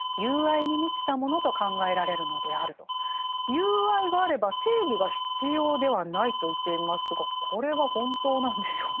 友愛があれば正義が必要ではないと言っていますがこれは本当なんでしょうか？